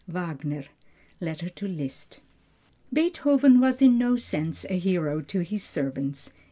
WAGNER: Letter to Liszt. Beethoven was in no sense a hero to his servants.